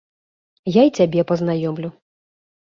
Я і цябе пазнаёмлю.